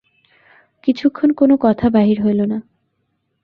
কিছুক্ষণ কোনো কথা বাহির হইল না।